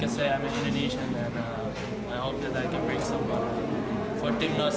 saya sangat senang dan bangga karena sekarang saya bisa mengatakan bahwa saya adalah orang indonesia